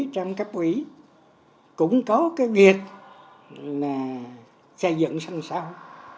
trong các ủy cũng có cái việc xây dựng sang sau